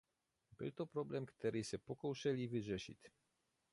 Byl to problém, který se pokoušely vyřešit.